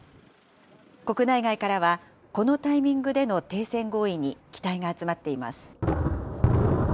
国内外からは、このタイミングでの停戦合意に期待が集まっています。